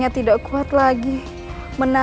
yang ter jerusalem dihubungkan